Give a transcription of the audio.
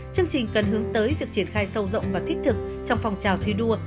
chương trình cần hướng tới việc triển khai sâu rộng và thích thực trong phong trào thi đua